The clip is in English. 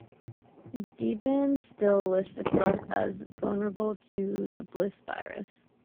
Debian still lists itself as vulnerable to the Bliss virus.